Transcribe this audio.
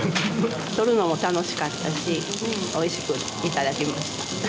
採るのも楽しかったしおいしくいただけました。